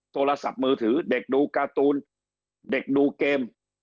โทรศัพท์มือถือเด็กดูการ์ตูนเด็กดูเกม